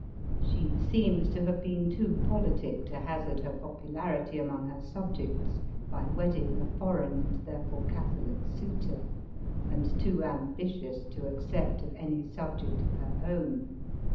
She seems to have been too politic to hazard her popularity among her subjects by wedding a for eign and therefore Catholic suitor, and too ambitious to accept of any subject of her own.